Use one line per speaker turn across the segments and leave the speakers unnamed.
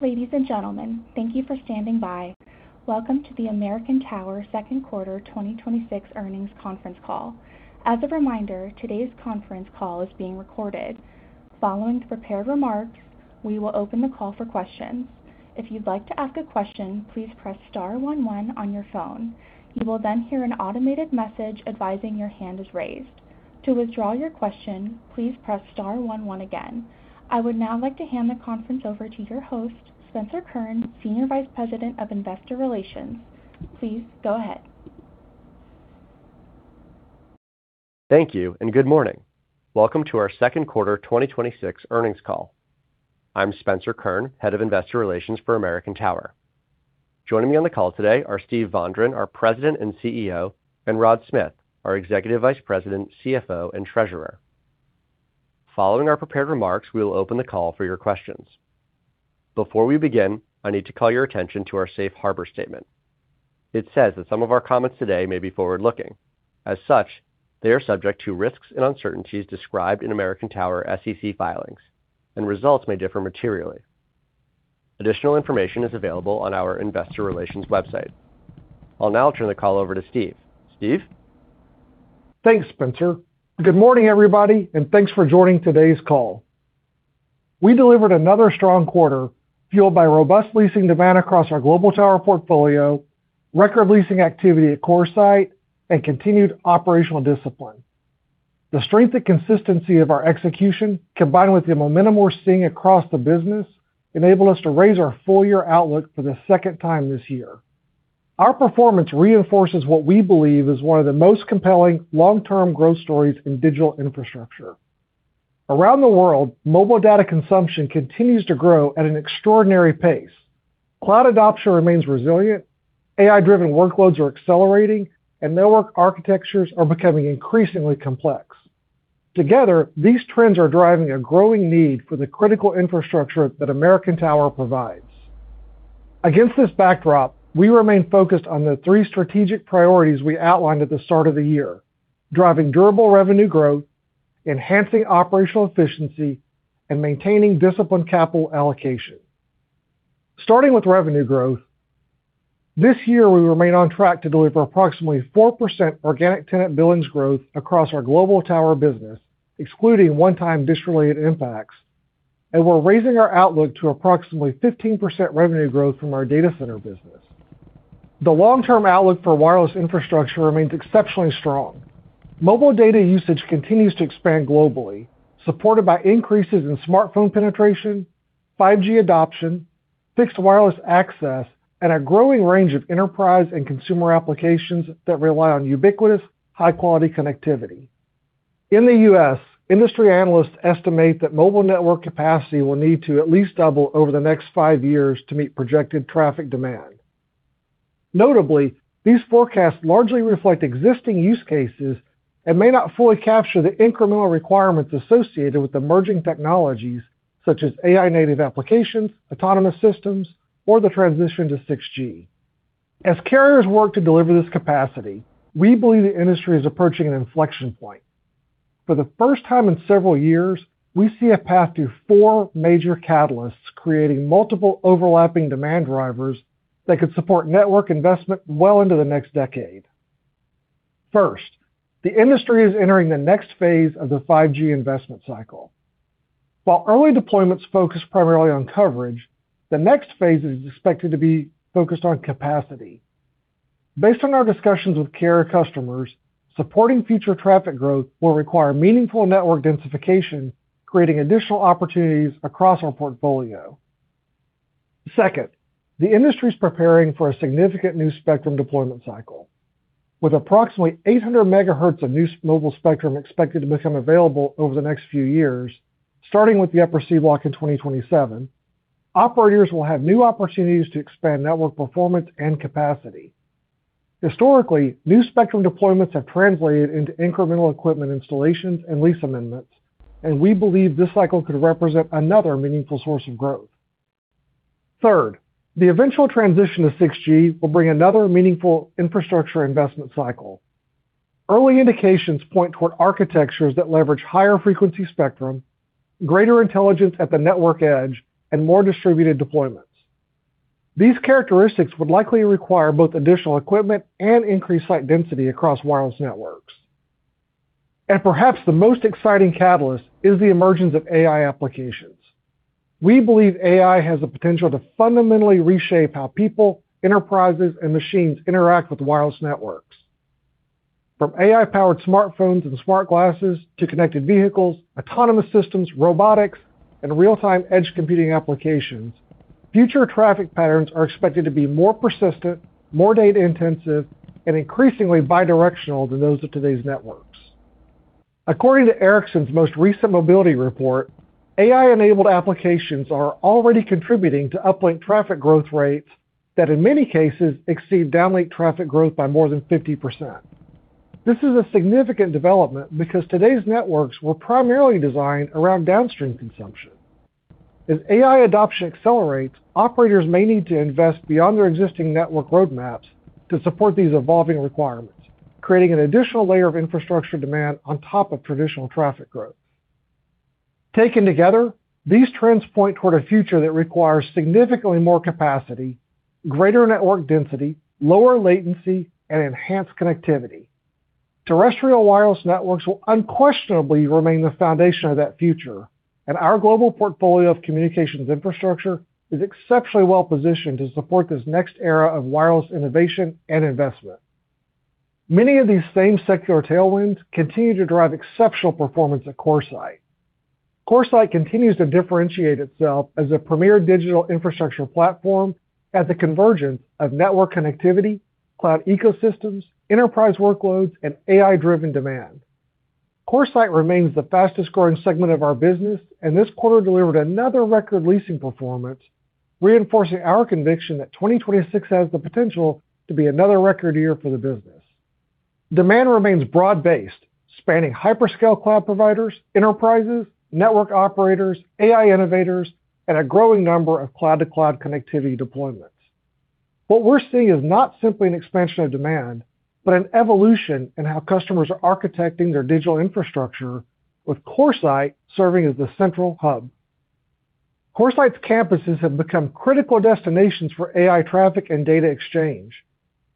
Ladies and gentlemen, thank you for standing by. Welcome to the American Tower Second Quarter 2026 Earnings Conference Call. As a reminder, today's conference call is being recorded. Following the prepared remarks, we will open the call for questions. If you'd like to ask a question, please press star one one on your phone. You will then hear an automated message advising your hand is raised. To withdraw your question, please press star one one again. I would now like to hand the conference over to your host, Spencer Kurn, Senior Vice President of Investor Relations. Please go ahead.
Thank you, and good morning. Welcome to our second quarter 2026 earnings call. I'm Spencer Kurn, Head of Investor Relations for American Tower. Joining me on the call today are Steve Vondran, our President and CEO, and Rod Smith, our Executive Vice President, CFO, and Treasurer. Following our prepared remarks, we will open the call for your questions. Before we begin, I need to call your attention to our safe harbor statement. It says that some of our comments today may be forward-looking. As such, they are subject to risks and uncertainties described in American Tower SEC filings, and results may differ materially. Additional information is available on our investor relations website. I'll now turn the call over to Steve. Steve?
Thanks, Spencer. Good morning, everybody, and thanks for joining today's call. We delivered another strong quarter fueled by robust leasing demand across our global tower portfolio, record leasing activity at CoreSite, and continued operational discipline. The strength and consistency of our execution, combined with the momentum we're seeing across the business, enabled us to raise our full-year outlook for the second time this year. Our performance reinforces what we believe is one of the most compelling long-term growth stories in digital infrastructure. Around the world, mobile data consumption continues to grow at an extraordinary pace. Cloud adoption remains resilient, AI-driven workloads are accelerating, and network architectures are becoming increasingly complex. Together, these trends are driving a growing need for the critical infrastructure that American Tower provides. Against this backdrop, we remain focused on the three strategic priorities we outlined at the start of the year: driving durable revenue growth, enhancing operational efficiency, and maintaining disciplined capital allocation. Starting with revenue growth, this year, we remain on track to deliver approximately 4% organic tenant billings growth across our global tower business, excluding one-time DISH-related impacts, and we're raising our outlook to approximately 15% revenue growth from our data center business. The long-term outlook for wireless infrastructure remains exceptionally strong. Mobile data usage continues to expand globally, supported by increases in smartphone penetration, 5G adoption, fixed wireless access, and a growing range of enterprise and consumer applications that rely on ubiquitous, high-quality connectivity. In the U.S., industry analysts estimate that mobile network capacity will need to at least double over the next five years to meet projected traffic demand. Notably, these forecasts largely reflect existing use cases and may not fully capture the incremental requirements associated with emerging technologies such as AI-native applications, autonomous systems, or the transition to 6G. As carriers work to deliver this capacity, we believe the industry is approaching an inflection point. For the first time in several years, we see a path to four major catalysts creating multiple overlapping demand drivers that could support network investment well into the next decade. First, the industry is entering the next phase of the 5G investment cycle. While early deployments focus primarily on coverage, the next phase is expected to be focused on capacity. Based on our discussions with carrier customers, supporting future traffic growth will require meaningful network densification, creating additional opportunities across our portfolio. Second, the industry's preparing for a significant new spectrum deployment cycle. With approximately 800 MHz of new mobile spectrum expected to become available over the next few years, starting with the Upper C-band in 2027, operators will have new opportunities to expand network performance and capacity. Historically, new spectrum deployments have translated into incremental equipment installations and lease amendments, and we believe this cycle could represent another meaningful source of growth. Third, the eventual transition to 6G will bring another meaningful infrastructure investment cycle. Early indications point toward architectures that leverage higher frequency spectrum, greater intelligence at the network edge, and more distributed deployments. These characteristics would likely require both additional equipment and increased site density across wireless networks. Perhaps the most exciting catalyst is the emergence of AI applications. We believe AI has the potential to fundamentally reshape how people, enterprises, and machines interact with wireless networks. From AI-powered smartphones and smart glasses to connected vehicles, autonomous systems, robotics, and real-time edge computing applications, future traffic patterns are expected to be more persistent, more data-intensive, and increasingly bidirectional than those of today's networks. According to Ericsson's most recent Mobility Report, AI-enabled applications are already contributing to uplink traffic growth rates that in many cases exceed downlink traffic growth by more than 50%. This is a significant development because today's networks were primarily designed around downstream consumption. As AI adoption accelerates, operators may need to invest beyond their existing network roadmaps to support these evolving requirements, creating an additional layer of infrastructure demand on top of traditional traffic growth. Taken together, these trends point toward a future that requires significantly more capacity, greater network density, lower latency, and enhanced connectivity. Terrestrial wireless networks will unquestionably remain the foundation of that future. Our global portfolio of communications infrastructure is exceptionally well-positioned to support this next era of wireless innovation and investment. Many of these same secular tailwinds continue to drive exceptional performance at CoreSite. CoreSite continues to differentiate itself as a premier digital infrastructure platform at the convergence of network connectivity, cloud ecosystems, enterprise workloads, and AI-driven demand. CoreSite remains the fastest-growing segment of our business, and this quarter delivered another record leasing performance, reinforcing our conviction that 2026 has the potential to be another record year for the business. Demand remains broad-based, spanning hyperscale cloud providers, enterprises, network operators, AI innovators, and a growing number of cloud-to-cloud connectivity deployments. What we're seeing is not simply an expansion of demand, but an evolution in how customers are architecting their digital infrastructure with CoreSite serving as the central hub. CoreSite's campuses have become critical destinations for AI traffic and data exchange.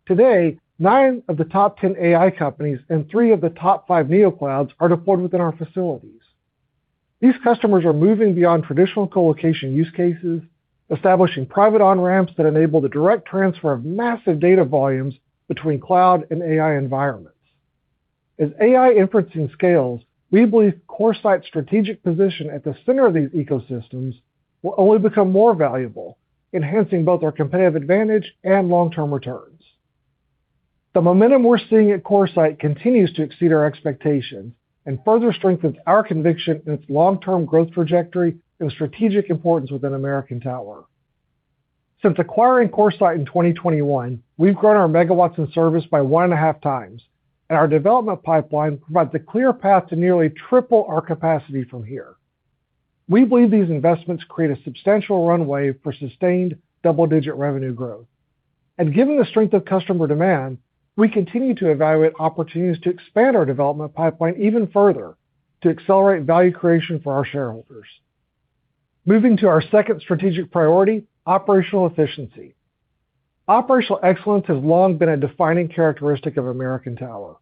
Today, nine of the top 10 AI companies and three of the top five neoclouds are deployed within our facilities. These customers are moving beyond traditional colocation use cases, establishing private on-ramps that enable the direct transfer of massive data volumes between cloud and AI environments. As AI inferencing scales, we believe CoreSite's strategic position at the center of these ecosystems will only become more valuable, enhancing both our competitive advantage and long-term returns. The momentum we're seeing at CoreSite continues to exceed our expectations and further strengthens our conviction in its long-term growth trajectory and strategic importance within American Tower. Since acquiring CoreSite in 2021, we've grown our megawatts in service by 1.5x, and our development pipeline provides a clear path to nearly triple our capacity from here. We believe these investments create a substantial runway for sustained double-digit revenue growth. Given the strength of customer demand, we continue to evaluate opportunities to expand our development pipeline even further to accelerate value creation for our shareholders. Moving to our second strategic priority, operational efficiency. Operational excellence has long been a defining characteristic of American Tower.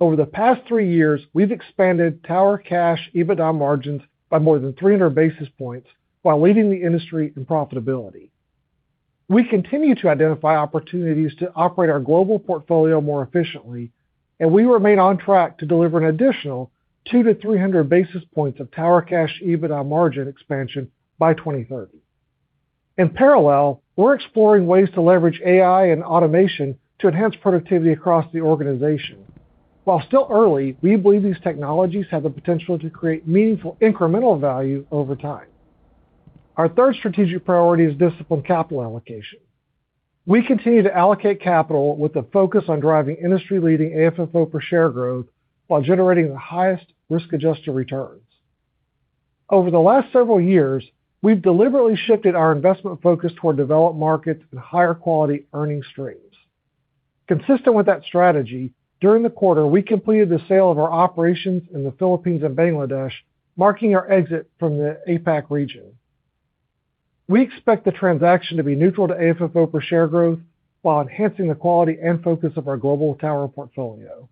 Over the past three years, we've expanded tower cash EBITDA margins by more than 300 basis points while leading the industry in profitability. We continue to identify opportunities to operate our global portfolio more efficiently, and we remain on track to deliver an additional 200-300 basis points of tower cash EBITDA margin expansion by 2030. In parallel, we're exploring ways to leverage AI and automation to enhance productivity across the organization. While still early, we believe these technologies have the potential to create meaningful incremental value over time. Our third strategic priority is disciplined capital allocation. We continue to allocate capital with a focus on driving industry-leading AFFO per share growth while generating the highest risk-adjusted returns. Over the last several years, we've deliberately shifted our investment focus toward developed markets and higher-quality earning streams. Consistent with that strategy, during the quarter, we completed the sale of our operations in the Philippines and Bangladesh, marking our exit from the APAC region. We expect the transaction to be neutral to AFFO per share growth while enhancing the quality and focus of our global tower portfolio.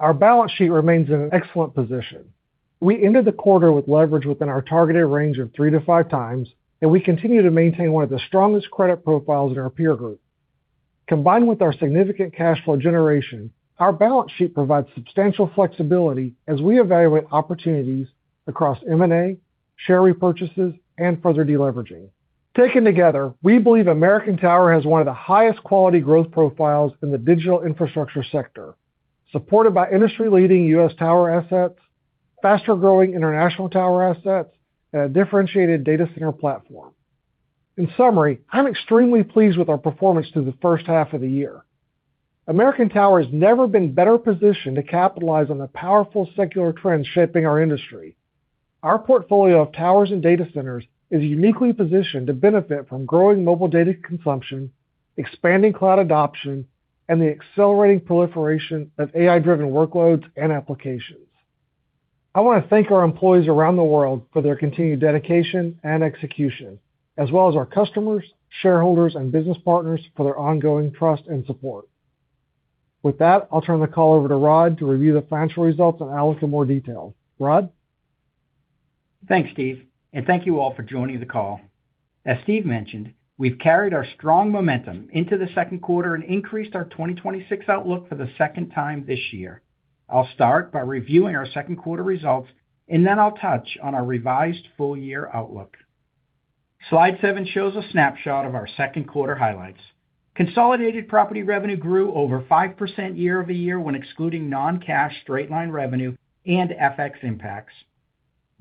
Our balance sheet remains in an excellent position. We ended the quarter with leverage within our targeted range of 3x-5x, and we continue to maintain one of the strongest credit profiles in our peer group. Combined with our significant cash flow generation, our balance sheet provides substantial flexibility as we evaluate opportunities across M&A, share repurchases, and further deleveraging. Taken together, we believe American Tower has one of the highest quality growth profiles in the digital infrastructure sector, supported by industry-leading U.S. tower assets, faster-growing international tower assets, and a differentiated data center platform. In summary, I'm extremely pleased with our performance through the first half of the year. American Tower has never been better positioned to capitalize on the powerful secular trends shaping our industry. Our portfolio of towers and data centers is uniquely positioned to benefit from growing mobile data consumption, expanding cloud adoption, and the accelerating proliferation of AI-driven workloads and applications. I want to thank our employees around the world for their continued dedication and execution, as well as our customers, shareholders, and business partners for their ongoing trust and support. With that, I'll turn the call over to Rod to review the financial results and analyze in more detail. Rod?
Thanks, Steve, and thank you all for joining the call. As Steve mentioned, we've carried our strong momentum into the second quarter and increased our 2026 outlook for the second time this year. I'll start by reviewing our second quarter results, then I'll touch on our revised full-year outlook. Slide seven shows a snapshot of our second quarter highlights. Consolidated property revenue grew over 5% year-over-year when excluding non-cash straight-line revenue and FX impacts.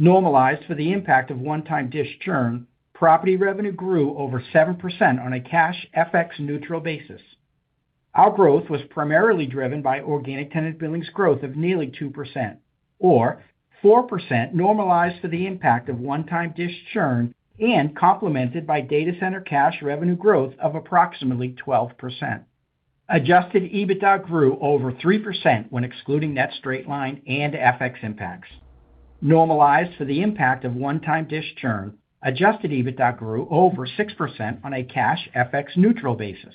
Normalized for the impact of one-time DISH churn, property revenue grew over 7% on a cash FX neutral basis. Our growth was primarily driven by organic tenant billings growth of nearly 2%. 4% normalized for the impact of one-time DISH churn and complemented by data center cash revenue growth of approximately 12%. Adjusted EBITDA grew over 3% when excluding net straight-line and FX impacts. Normalized for the impact of one-time DISH churn, Adjusted EBITDA grew over 6% on a cash FX neutral basis.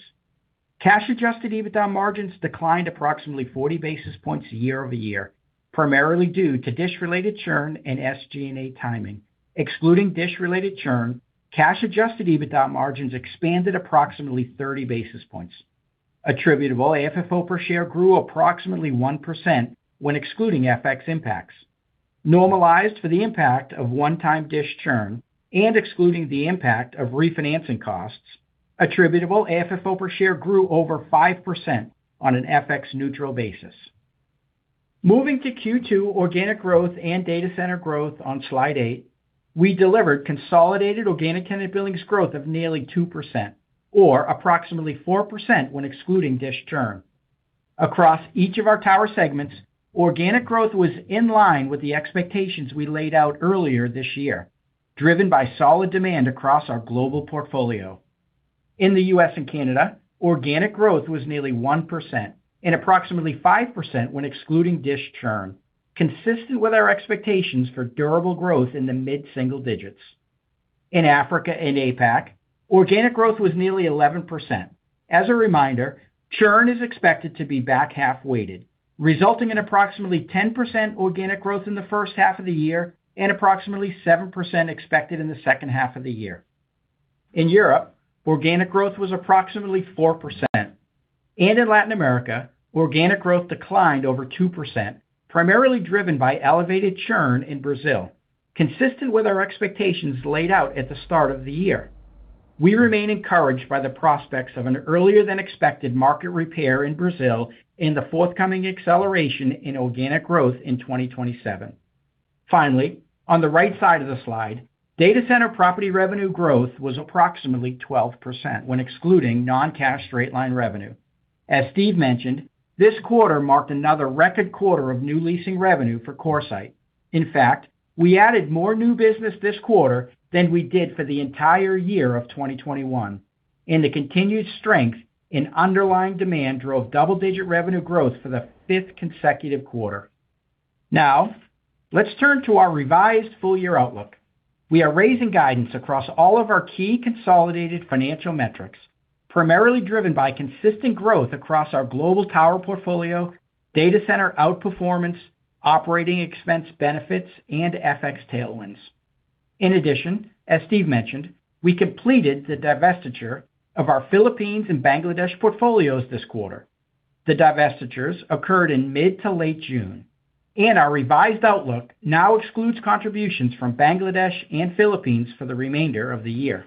Cash Adjusted EBITDA margins declined approximately 40 basis points year-over-year, primarily due to DISH-related churn and SG&A timing. Excluding DISH-related churn, cash Adjusted EBITDA margins expanded approximately 30 basis points. Attributable AFFO per share grew approximately 1% when excluding FX impacts. Normalized for the impact of one-time DISH churn and excluding the impact of refinancing costs, attributable AFFO per share grew over 5% on an FX neutral basis. Moving to Q2 organic growth and data center growth on slide eight, we delivered consolidated organic tenant billings growth of nearly 2%, approximately 4% when excluding DISH churn. Across each of our tower segments, organic growth was in line with the expectations we laid out earlier this year, driven by solid demand across our global portfolio. In the U.S. and Canada, organic growth was nearly 1% and approximately 5% when excluding DISH churn, consistent with our expectations for durable growth in the mid-single digits. In Africa and APAC, organic growth was nearly 11%. As a reminder, churn is expected to be back half-weighted, resulting in approximately 10% organic growth in the first half of the year and approximately 7% expected in the second half of the year. In Europe, organic growth was approximately 4%. In Latin America, organic growth declined over 2%, primarily driven by elevated churn in Brazil, consistent with our expectations laid out at the start of the year. We remain encouraged by the prospects of an earlier-than-expected market repair in Brazil and the forthcoming acceleration in organic growth in 2027. Finally, on the right side of the slide, data center property revenue growth was approximately 12% when excluding non-cash straight-line revenue. As Steve mentioned, this quarter marked another record quarter of new leasing revenue for CoreSite. In fact, we added more new business this quarter than we did for the entire year of 2021, and the continued strength in underlying demand drove double-digit revenue growth for the fifth consecutive quarter. Now, let's turn to our revised full-year outlook. We are raising guidance across all of our key consolidated financial metrics, primarily driven by consistent growth across our global tower portfolio, data center outperformance, operating expense benefits, and FX tailwinds. In addition, as Steve mentioned, we completed the divestiture of our Philippines and Bangladesh portfolios this quarter. The divestitures occurred in mid to late June, and our revised outlook now excludes contributions from Bangladesh and Philippines for the remainder of the year.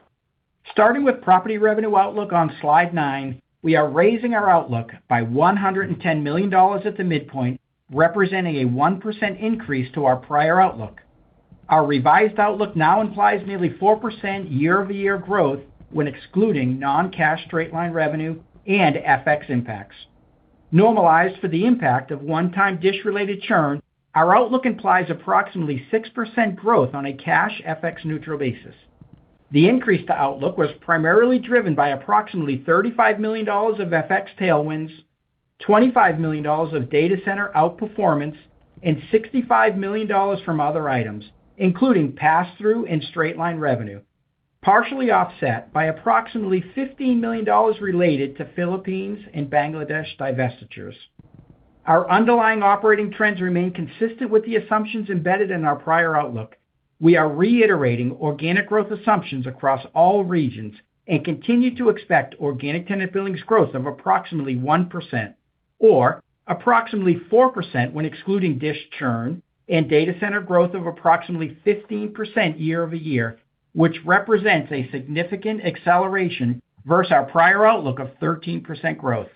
Starting with property revenue outlook on slide nine, we are raising our outlook by $110 million at the midpoint, representing a 1% increase to our prior outlook. Our revised outlook now implies nearly 4% year-over-year growth when excluding non-cash straight-line revenue and FX impacts. Normalized for the impact of one-time DISH-related churn, our outlook implies approximately 6% growth on a cash FX neutral basis. The increase to outlook was primarily driven by approximately $35 million of FX tailwinds, $25 million of data center outperformance, and $65 million from other items, including pass-through and straight-line revenue, partially offset by approximately $15 million related to Philippines and Bangladesh divestitures. Our underlying operating trends remain consistent with the assumptions embedded in our prior outlook. We are reiterating organic growth assumptions across all regions continue to expect organic tenant billings growth of approximately 1%, or approximately 4% when excluding DISH churn, and data center growth of approximately 15% year-over-year, which represents a significant acceleration versus our prior outlook of 13% growth.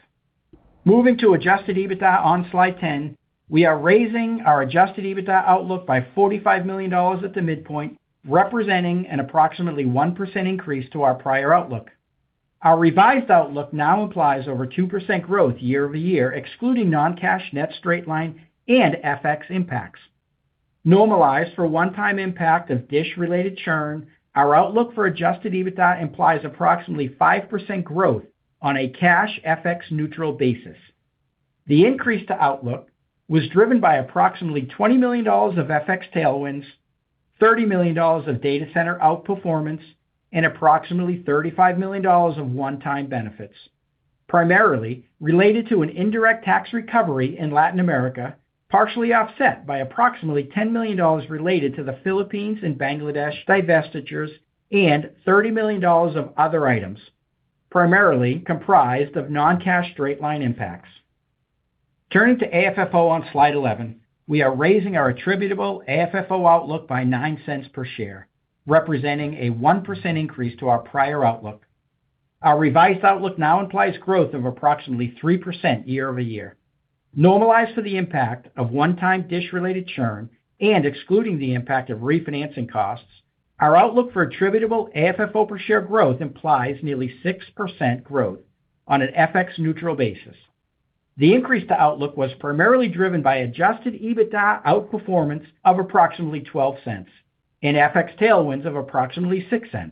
Moving to adjusted EBITDA on slide 10, we are raising our adjusted EBITDA outlook by $45 million at the midpoint, representing an approximately 1% increase to our prior outlook. Our revised outlook now implies over 2% growth year-over-year, excluding non-cash net straight-line and FX impacts. Normalized for one-time impact of DISH-related churn, our outlook for adjusted EBITDA implies approximately 5% growth on a cash FX neutral basis. The increase to outlook was driven by approximately $20 million of FX tailwinds, $30 million of data center outperformance, and approximately $35 million of one-time benefits, primarily related to an indirect tax recovery in Latin America, partially offset by approximately $10 million related to the Philippines and Bangladesh divestitures and $30 million of other items, primarily comprised of non-cash straight-line impacts. Turning to AFFO on slide 11, we are raising our attributable AFFO outlook by $0.09 per share, representing a 1% increase to our prior outlook. Our revised outlook now implies growth of approximately 3% year-over-year. Normalized for the impact of one-time DISH-related churn and excluding the impact of refinancing costs, our outlook for attributable AFFO per share growth implies nearly 6% growth. On an FX neutral basis. The increase to outlook was primarily driven by adjusted EBITDA outperformance of approximately $0.12 and FX tailwinds of approximately $0.06.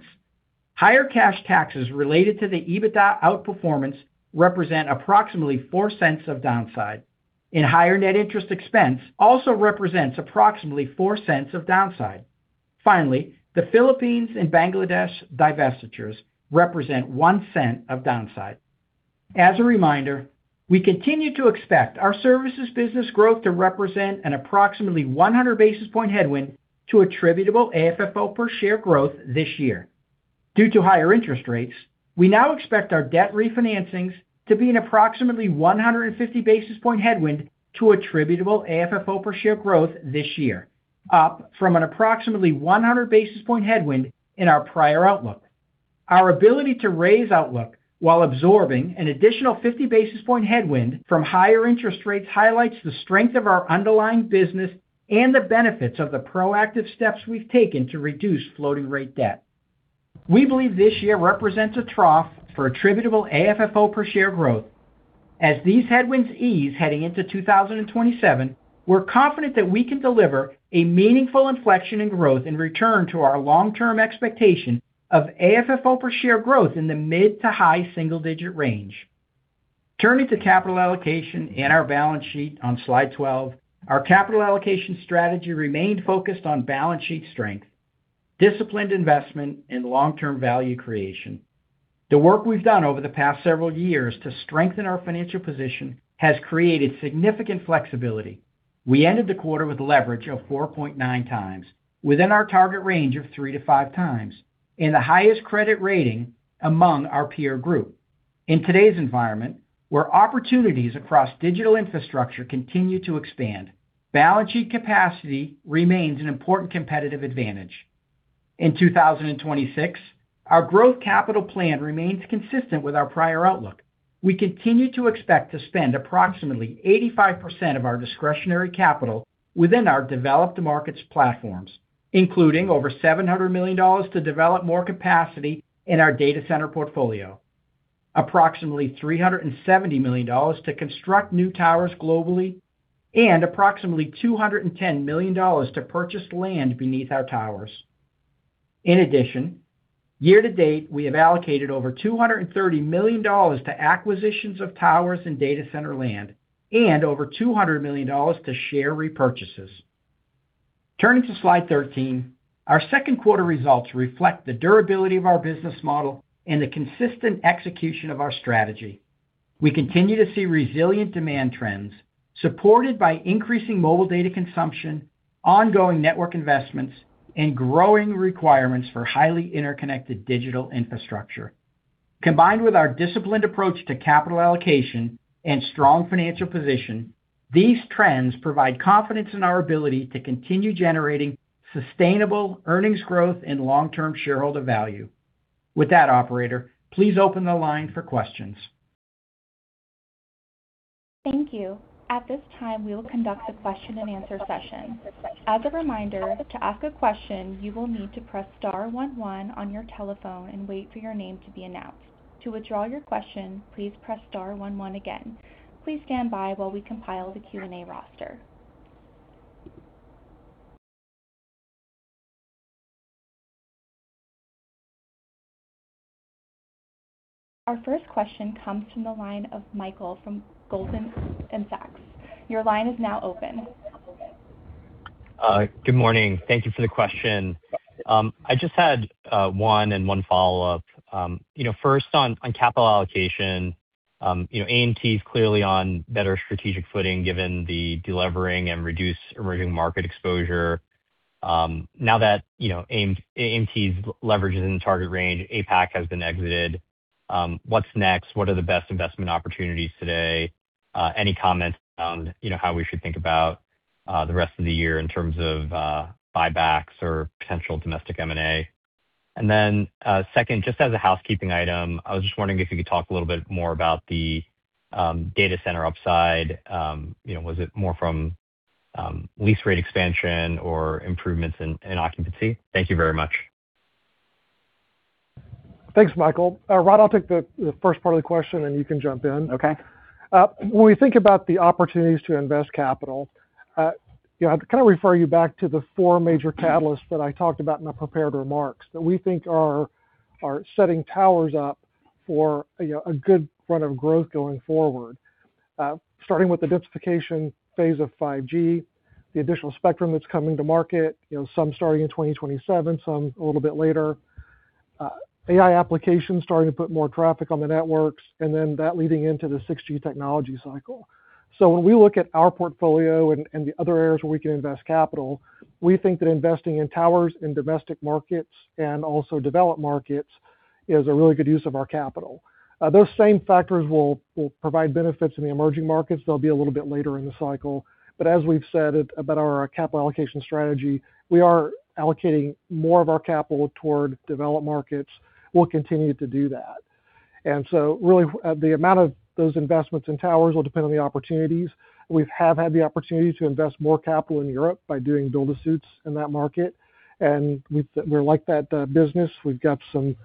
Higher cash taxes related to the EBITDA outperformance represent approximately $0.04 of downside, and higher net interest expense also represents approximately $0.04 of downside. Finally, the Philippines and Bangladesh divestitures represent $0.01 of downside. As a reminder, we continue to expect our services business growth to represent an approximately 100 basis point headwind to attributable AFFO per share growth this year. Due to higher interest rates, we now expect our debt refinancings to be an approximately 150 basis point headwind to attributable AFFO per share growth this year, up from an approximately 100 basis point headwind in our prior outlook. Our ability to raise outlook while absorbing an additional 50 basis point headwind from higher interest rates highlights the strength of our underlying business and the benefits of the proactive steps we've taken to reduce floating rate debt. We believe this year represents a trough for attributable AFFO per share growth. As these headwinds ease heading into 2027, we're confident that we can deliver a meaningful inflection in growth and return to our long-term expectation of AFFO per share growth in the mid to high single-digit range. Turning to capital allocation and our balance sheet on slide 12, our capital allocation strategy remained focused on balance sheet strength, disciplined investment, and long-term value creation. The work we've done over the past several years to strengthen our financial position has created significant flexibility. We ended the quarter with leverage of 4.9x, within our target range of 3x-5x, and the highest credit rating among our peer group. In today's environment, where opportunities across digital infrastructure continue to expand, balance sheet capacity remains an important competitive advantage. In 2026, our growth capital plan remains consistent with our prior outlook. We continue to expect to spend approximately 85% of our discretionary capital within our developed markets platforms, including over $700 million to develop more capacity in our data center portfolio. Approximately $370 million to construct new towers globally and approximately $210 million to purchase land beneath our towers. In addition, year to date, we have allocated over $230 million to acquisitions of towers and data center land and over $200 million to share repurchases. Turning to slide 13, our second quarter results reflect the durability of our business model and the consistent execution of our strategy. We continue to see resilient demand trends supported by increasing mobile data consumption, ongoing network investments, and growing requirements for highly interconnected digital infrastructure. Combined with our disciplined approach to capital allocation and strong financial position, these trends provide confidence in our ability to continue generating sustainable earnings growth and long-term shareholder value. With that, operator, please open the line for questions.
Thank you. At this time, we will conduct a Q&A session. As a reminder, to ask a question, you will need to press star one one on your telephone and wait for your name to be announced. To withdraw your question, please press star one one again. Please stand by while we compile the Q&A roster. Our first question comes from the line of Michael from Goldman Sachs. Your line is now open.
Good morning. Thank you for the question. I just had one and one follow-up. First, on capital allocation. AMT is clearly on better strategic footing given the delevering and reduced emerging market exposure. Now that AMT's leverage is in the target range, APAC has been exited. What's next? What are the best investment opportunities today? Any comments on how we should think about the rest of the year in terms of buybacks or potential domestic M&A? Then, second, just as a housekeeping item, I was just wondering if you could talk a little bit more about the data center upside. Was it more from lease rate expansion or improvements in occupancy? Thank you very much.
Thanks, Michael. Rod, I'll take the first part of the question. You can jump in.
Okay.
When we think about the opportunities to invest capital, I'd refer you back to the four major catalysts that I talked about in my prepared remarks that we think are setting towers up for a good run of growth going forward. Starting with the densification phase of 5G, the additional spectrum that's coming to market, some starting in 2027, some a little bit later. AI applications starting to put more traffic on the networks, then that leading into the 6G technology cycle. When we look at our portfolio and the other areas where we can invest capital, we think that investing in towers in domestic markets and also developed markets is a really good use of our capital. Those same factors will provide benefits in the emerging markets. They'll be a little bit later in the cycle. As we've said about our capital allocation strategy, we are allocating more of our capital toward developed markets. We'll continue to do that. Really, the amount of those investments in towers will depend on the opportunities. We have had the opportunity to invest more capital in Europe by doing build-to-suits in that market, and we like that business. We've got some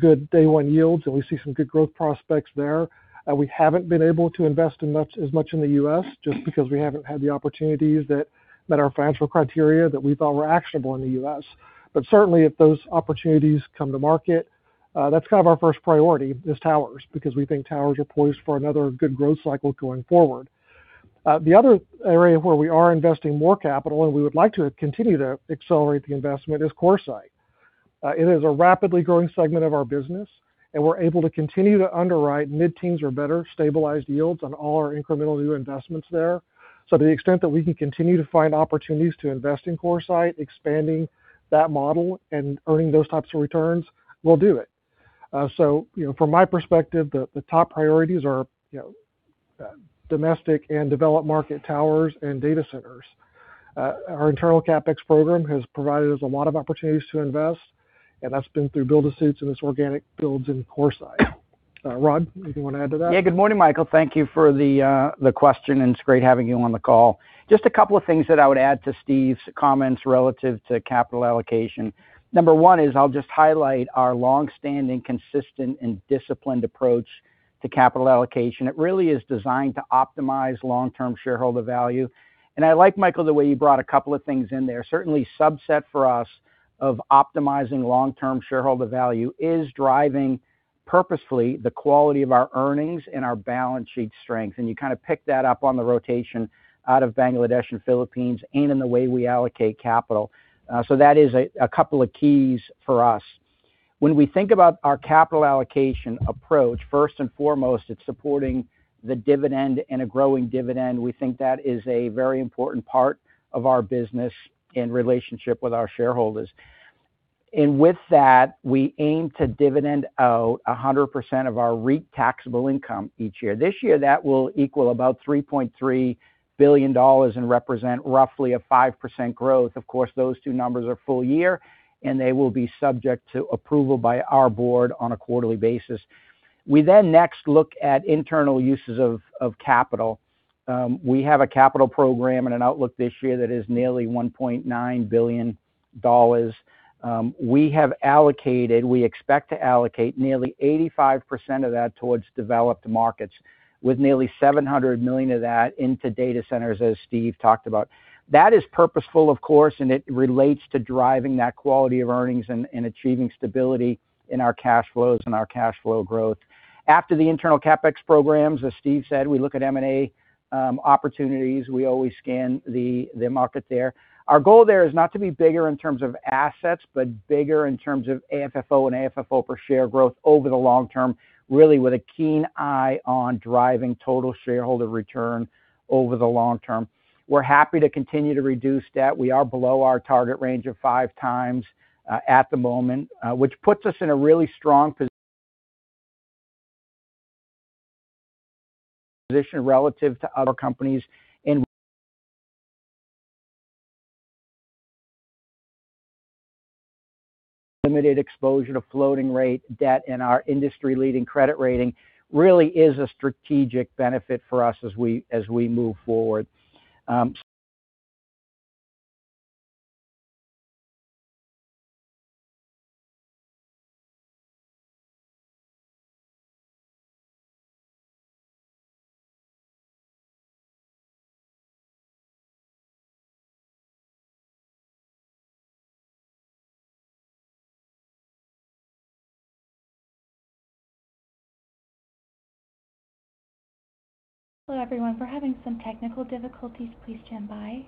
Good day one yields, and we see some good growth prospects there. We haven't been able to invest as much in the U.S. just because we haven't had the opportunities that met our financial criteria that we felt were actionable in the U.S. Certainly, if those opportunities come to market, that's our first priority, is towers, because we think towers are poised for another good growth cycle going forward. The other area where we are investing more capital, and we would like to continue to accelerate the investment, is CoreSite. It is a rapidly growing segment of our business, and we're able to continue to underwrite mid-teens or better stabilized yields on all our incremental new investments there. To the extent that we can continue to find opportunities to invest in CoreSite, expanding that model and earning those types of returns, we'll do it. From my perspective, the top priorities are domestic and developed market towers and data centers. Our internal CapEx program has provided us a lot of opportunities to invest, and that's been through build-to-suits and its organic builds in CoreSite. Rod, anything you want to add to that?
Good morning, Michael. Thank you for the question, and it's great having you on the call. Just a couple of things that I would add to Steve's comments relative to capital allocation. Number 1 is I'll just highlight our longstanding, consistent, and disciplined approach to capital allocation. It really is designed to optimize long-term shareholder value. I like, Michael, the way you brought a couple of things in there. Certainly, subset for us of optimizing long-term shareholder value is driving purposefully the quality of our earnings and our balance sheet strength. And you kind of picked that up on the rotation out of Bangladesh and Philippines and in the way we allocate capital. That is a couple of keys for us. When we think about our capital allocation approach, first and foremost, it's supporting the dividend and a growing dividend. We think that is a very important part of our business in relationship with our shareholders. With that, we aim to dividend out 100% of our REIT taxable income each year. This year, that will equal about $3.3 billion and represent roughly a 5% growth. Of course, those two numbers are full year, and they will be subject to approval by our board on a quarterly basis. We next look at internal uses of capital. We have a capital program and an outlook this year that is nearly $1.9 billion. We have allocated, we expect to allocate nearly 85% of that towards developed markets with nearly $700 million of that into data centers, as Steve talked about. That is purposeful, of course, and it relates to driving that quality of earnings and achieving stability in our cash flows and our cash flow growth. After the internal CapEx programs, as Steve said, we look at M&A opportunities. We always scan the market there. Our goal there is not to be bigger in terms of assets, but bigger in terms of AFFO and AFFO per share growth over the long term, really with a keen eye on driving total shareholder return over the long term. We're happy to continue to reduce debt. We are below our target range of 5x at the moment, which puts us in a really strong position relative to other companies limited exposure to floating rate debt and our industry-leading credit rating really is a strategic benefit for us as we move forward.
Hello, everyone. We're having some technical difficulties. Please stand by.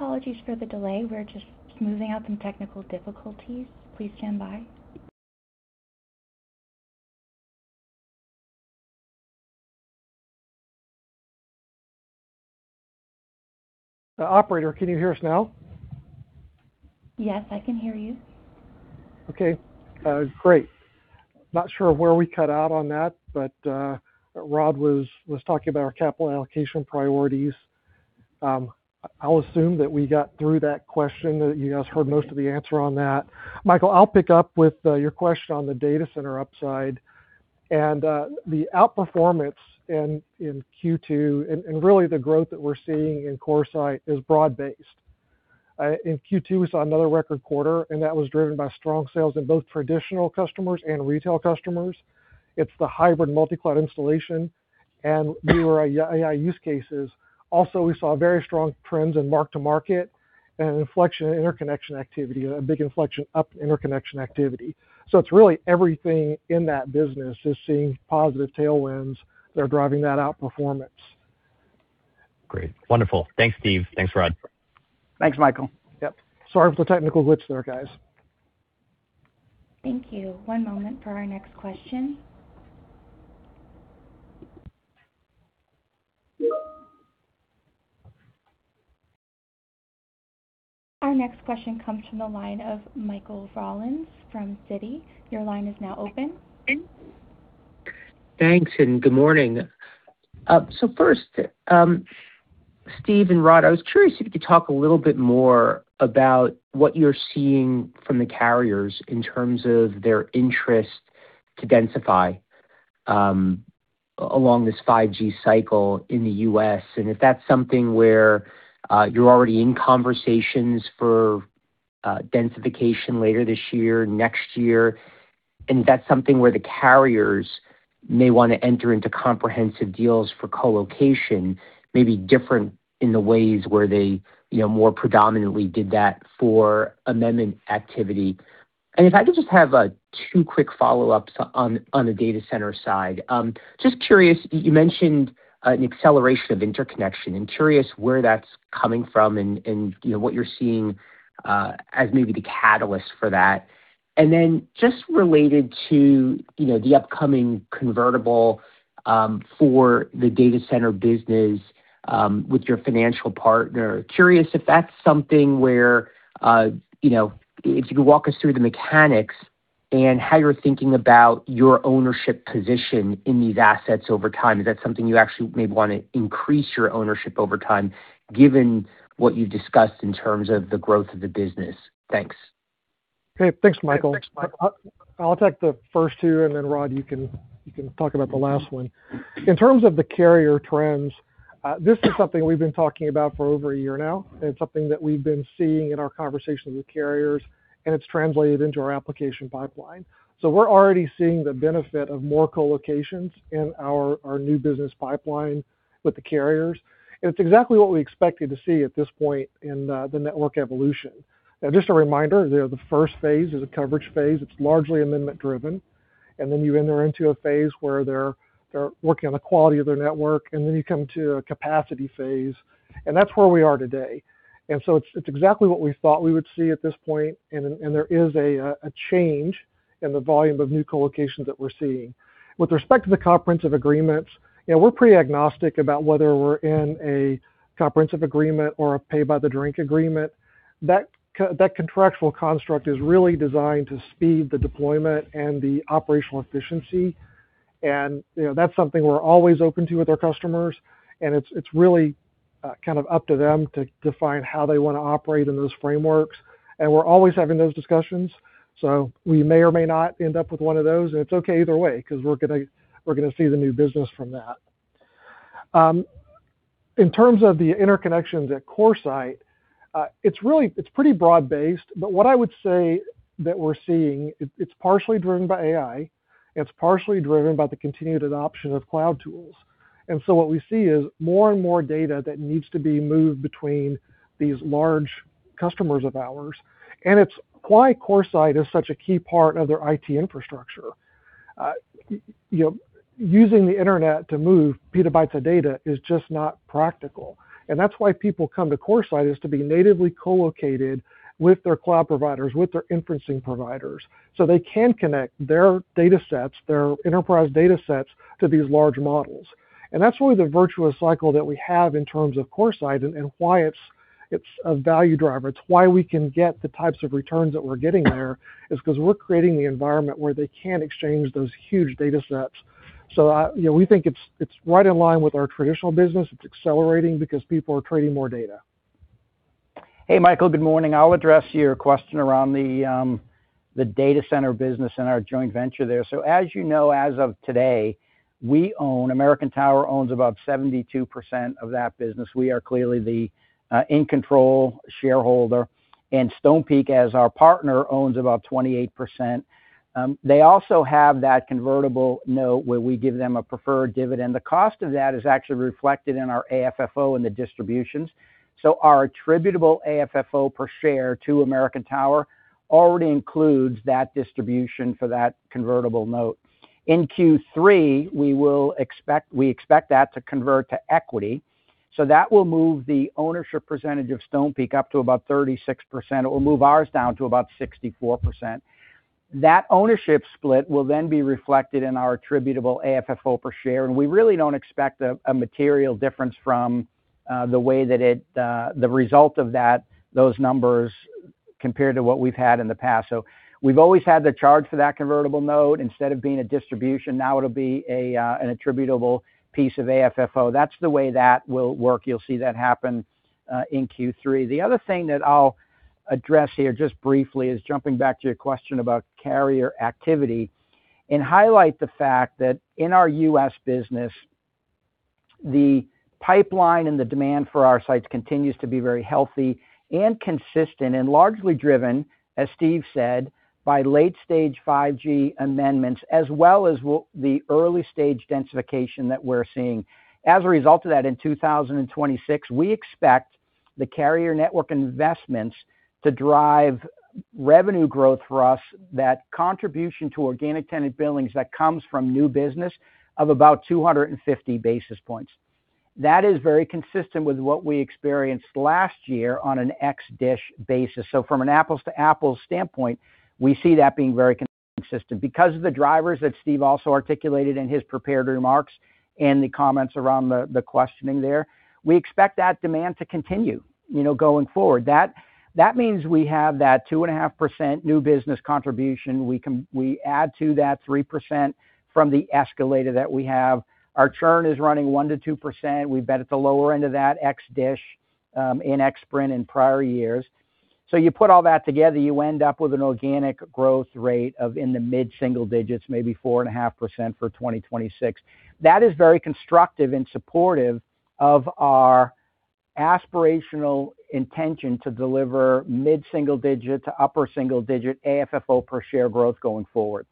Apologies for the delay. We're just smoothing out some technical difficulties. Please stand by.
Operator, can you hear us now?
Yes, I can hear you.
Okay, great. Not sure where we cut out on that, Rod was talking about our capital allocation priorities. I'll assume that we got through that question, that you guys heard most of the answer on that. Michael, I'll pick up with your question on the data center upside. The outperformance in Q2 and really the growth that we're seeing in CoreSite is broad-based. In Q2, we saw another record quarter, and that was driven by strong sales in both traditional customers and retail customers. It's the hybrid multi-cloud installation and newer AI use cases. Also, we saw very strong trends in mark-to-market and an inflection in interconnection activity, a big inflection up in interconnection activity. It's really everything in that business is seeing positive tailwinds that are driving that outperformance.
Great. Wonderful. Thanks, Steve. Thanks, Rod.
Thanks, Michael.
Yep. Sorry for the technical glitch there, guys.
Thank you. One moment for our next question. Our next question comes from the line of Michael Rollins from Citi. Your line is now open.
Thanks. Good morning. First, Steve and Rod, I was curious if you could talk a little bit more about what you're seeing from the carriers in terms of their interest to densify along this 5G cycle in the U.S., and if that's something where you're already in conversations for densification later this year, next year, and if that's something where the carriers may want to enter into comprehensive deals for co-location, maybe different in the ways where they more predominantly did that for amendment activity. If I could just have two quick follow-ups on the data center side. Just curious, you mentioned an acceleration of interconnection. I'm curious where that's coming from and what you're seeing as maybe the catalyst for that. Then just related to the upcoming convertible for the data center business with your financial partner. Curious if that's something where, if you could walk us through the mechanics and how you're thinking about your ownership position in these assets over time. Is that something you actually may want to increase your ownership over time, given what you've discussed in terms of the growth of the business? Thanks.
Okay. Thanks, Michael. I'll take the first two, then Rod, you can talk about the last one. In terms of the carrier trends, this is something we've been talking about for over a year now. It's something that we've been seeing in our conversations with carriers, and it's translated into our application pipeline. We're already seeing the benefit of more co-locations in our new business pipeline with the carriers. It's exactly what we expected to see at this point in the network evolution. Just a reminder, the first phase is a coverage phase. It's largely amendment driven. Then you enter into a phase where they're working on the quality of their network, then you come to a capacity phase, and that's where we are today. It's exactly what we thought we would see at this point, there is a change in the volume of new co-locations that we're seeing. With respect to the comprehensive agreements, we're pretty agnostic about whether we're in a comprehensive agreement or a pay-by-the-drink agreement. That contractual construct is really designed to speed the deployment and the operational efficiency, that's something we're always open to with our customers, it's really up to them to define how they want to operate in those frameworks. We're always having those discussions, so we may or may not end up with one of those. It's okay either way, because we're going to see the new business from that. In terms of the interconnections at CoreSite, it's pretty broad-based, but what I would say that we're seeing, it's partially driven by AI, it's partially driven by the continued adoption of cloud tools. What we see is more and more data that needs to be moved between these large customers of ours. It's why CoreSite is such a key part of their IT infrastructure. Using the internet to move petabytes of data is just not practical. That's why people come to CoreSite, is to be natively co-located with their cloud providers, with their inferencing providers, they can connect their datasets, their enterprise datasets, to these large models. That's really the virtuous cycle that we have in terms of CoreSite and why it's a value driver. It's why we can get the types of returns that we're getting there, is because we're creating the environment where they can exchange those huge datasets. We think it's right in line with our traditional business. It's accelerating because people are trading more data.
Hey, Michael. Good morning. I'll address your question around the data center business and our joint venture there. As you know, as of today, American Tower owns about 72% of that business. We are clearly the in-control shareholder, and Stonepeak, as our partner, owns about 28%. They also have that convertible note where we give them a preferred dividend. The cost of that is actually reflected in our AFFO and the distributions. Our attributable AFFO per share to American Tower already includes that distribution for that convertible note. In Q3, we expect that to convert to equity, so that will move the ownership percentage of Stonepeak up to about 36%. It will move ours down to about 64%. That ownership split will then be reflected in our attributable AFFO per share. We really don't expect a material difference from the way that the result of those numbers compare to what we've had in the past. We've always had the charge for that convertible note. Instead of being a distribution, now it'll be an attributable piece of AFFO. That's the way that will work. You'll see that happen in Q3. The other thing that I'll address here just briefly is jumping back to your question about carrier activity and highlight the fact that in our U.S. business, the pipeline and the demand for our sites continues to be very healthy and consistent and largely driven, as Steve said, by late stage 5G amendments as well as the early-stage densification that we're seeing. As a result of that, in 2026, we expect the carrier network investments to drive revenue growth for us. That contribution to organic tenant billings that comes from new business of about 250 basis points. That is very consistent with what we experienced last year on an ex DISH basis. From an apples-to-apples standpoint, we see that being very consistent. Because of the drivers that Steve also articulated in his prepared remarks and the comments around the questioning there, we expect that demand to continue going forward. That means we have that 2.5% new business contribution. We add to that 3% from the escalator that we have. Our churn is running 1%-2%. We've been at the lower end of that ex DISH and ex Sprint in prior years. You put all that together, you end up with an organic growth rate of in the mid-single digits, maybe 4.5% for 2026. That is very constructive and supportive of our aspirational intention to deliver mid-single digit to upper single digit AFFO per share growth going forward.